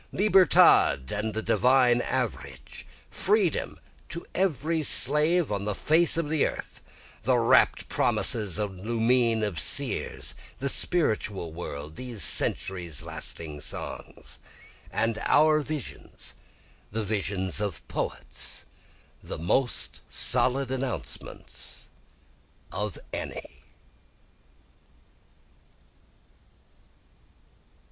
Libertad and the divine average, freedom to every slave on the face of the earth, The rapt promises and lumine of seers, the spiritual world, these centuries lasting songs, And our visions, the visions of poets, the most solid announcements of any.